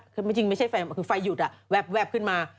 คือไม่ใช่ไฟคือไฟหยุดแวบขึ้นมา